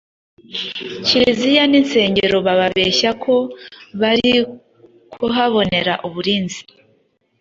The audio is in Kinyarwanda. kiliziya n insengero bababeshya ko bari kuhabonera uburinzi